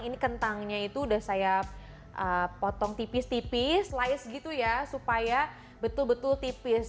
ini kentangnya itu udah saya potong tipis tipis slice gitu ya supaya betul betul tipis